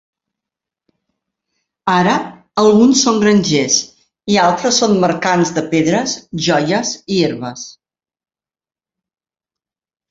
Ara, alguns són grangers i altres són mercants de pedres, joies i herbes.